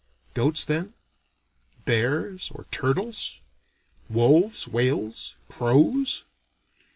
Goats, then? Bears or turtles? Wolves, whales, crows?